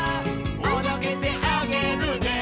「おどけてあげるね」